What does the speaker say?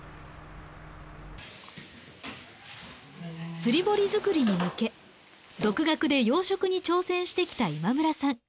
釣り堀づくりに向け独学で養殖に挑戦してきた今村さん。